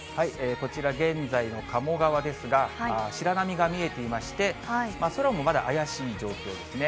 こちら現在の鴨川ですが、白波が見えていまして、空もまだ怪しい状況ですね。